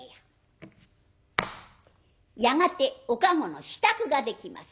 やがてお駕籠の支度ができます。